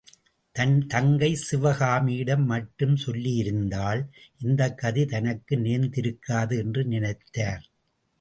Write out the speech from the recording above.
தன் தங்கை சிவகாமியிடம் மட்டும் சொல்லியிருந்தால், இந்த கதி தனக்கு நேர்ந்திருக்காது என்று நினைத்தார்.